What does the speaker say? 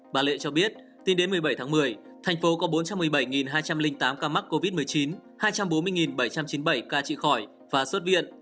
bà lệ cho biết tính đến một mươi bảy tháng một mươi thành phố có bốn trăm một mươi bảy hai trăm linh tám ca mắc covid một mươi chín hai trăm bốn mươi bảy trăm chín mươi bảy ca trị khỏi và xuất viện